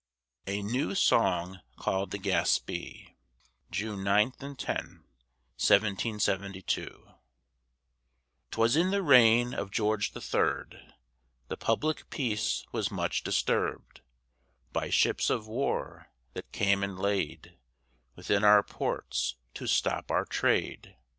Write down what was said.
A NEW SONG CALLED THE GASPEE [June 9 10, 1772] 'Twas in the reign of George the Third The public peace was much disturb'd By ships of war, that came and laid Within our ports to stop our trade.